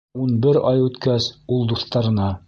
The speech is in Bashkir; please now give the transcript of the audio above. Ун бер ай үткәс, ул дуҫтарына: